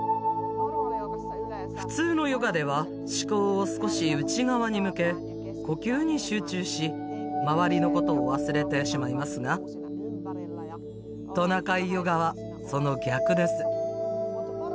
普通のヨガでは思考を少し内側に向け呼吸に集中し周りのことを忘れてしまいますがトナカイヨガはその逆です。